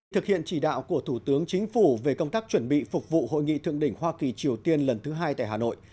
thực hiện chỉ đạo của thủ tướng chính phủ về công tác chuẩn bị phục vụ hội nghị thượng đỉnh hoa kỳ triều tiên lần thứ hai tại hà nội